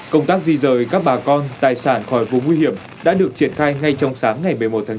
công tác di rời các bà con tài sản khỏi vùng nguy hiểm đã được triển khai ngay trong sáng ngày một mươi một tháng chín